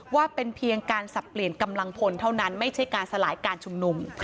ว่าเป็นเพียงการสับเปลี่ยนกำลังพลเท่านั้นไม่ใช่การสลายการชุมนุม